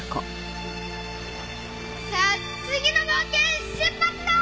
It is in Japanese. さぁ次の冒険へ出発だー！